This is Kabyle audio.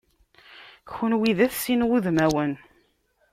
Kunwi d at sin wudmawen.